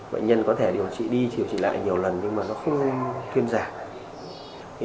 bệnh nhân có thể điều trị đi điều trị lại nhiều lần nhưng mà nó không thuyên giảm